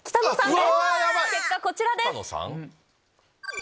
結果こちらです。